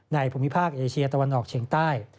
ภูมิภาคเอเชียตะวันออกเฉียงใต้